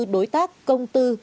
đối tác công tư